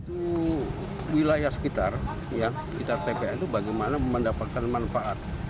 untuk wilayah sekitar tpn itu bagaimana mendapatkan manfaat